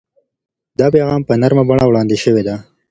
دا پیغام په نرمه بڼه وړاندې شوی دی.